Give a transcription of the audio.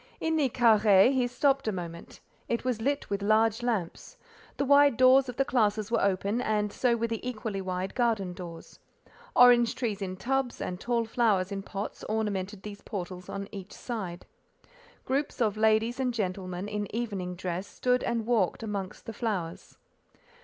In the carré he stopped a moment: it was lit with large lamps; the wide doors of the classes were open, and so were the equally wide garden doors; orange trees in tubs, and tall flowers in pots, ornamented these portals on each side; groups of ladies and gentlemen in evening dress stood and walked amongst the flowers.